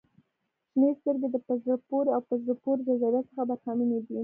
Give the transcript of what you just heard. • شنې سترګې د په زړه پورې او په زړه پورې جذابیت څخه برخمنې دي.